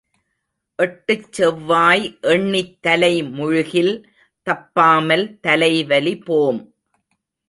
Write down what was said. எட்டுச் செவ்வாய் எண்ணித் தலை முழுகில் தப்பாமல் தலைவலி போம்.